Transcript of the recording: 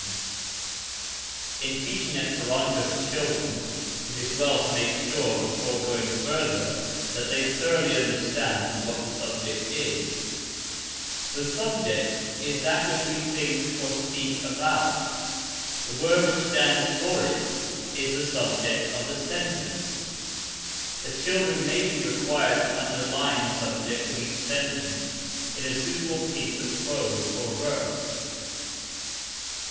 [Footnote: In teaching Esperanto to children it is well to make sure before going further that they thoroughly understand, what the subject is. The subject is that which we think or speak about. The word which stands for it is the subject of the sentence. The children may be required to underline the subject of each sentence in a suitable piece of prose or verse.